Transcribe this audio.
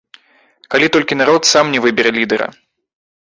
Калі толькі народ сам не выбера лідэра.